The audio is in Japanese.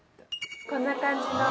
こんな感じの。